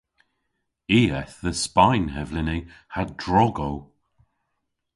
I eth dhe Spayn hevleni ha drog o.